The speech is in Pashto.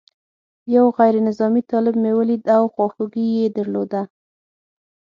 یو غیر نظامي طالب مې ولید او خواخوږي یې درلوده.